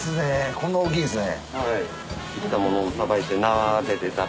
こんな大きいんですね。